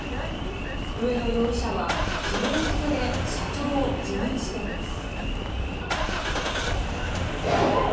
植野容疑者は、きのう付けで社長を辞任しています。